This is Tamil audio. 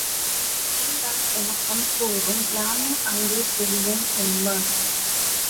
அறிந்தால் எனக்கும் கூறு யானும் அங்கே செல்வேன் என்பான்.